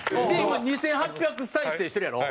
今２８００再生してるやろ？